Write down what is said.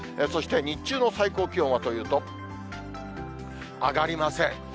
そして、日中の最高気温はというと、上がりません。